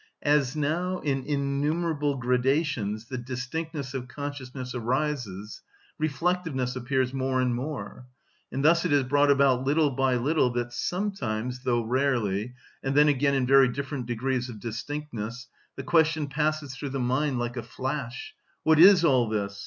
As now in innumerable gradations the distinctness of consciousness rises, reflectiveness appears more and more; and thus it is brought about little by little that sometimes, though rarely, and then again in very different degrees of distinctness, the question passes through the mind like a flash, "What is all this?"